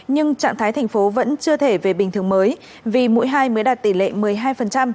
nhưng trạng thái thành phố vẫn chưa thể về bình thường mới vì mũi hai mới đạt tỷ lệ một mươi hai